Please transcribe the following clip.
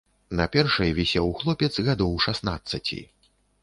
На першай вісеў хлопец гадоў шаснаццаці.